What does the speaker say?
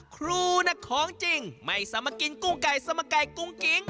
ครูของจริงไม่สามารถกินกุ้งไก่สมไก่กุ้งกิ๊ง